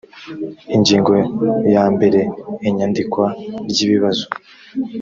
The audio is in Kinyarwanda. ingingo ya mbere inyandikwa ry ibibazo